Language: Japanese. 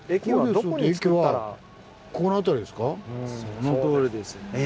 そのとおりです。